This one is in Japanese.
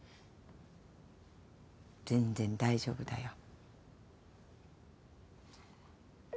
全然大丈夫だよ。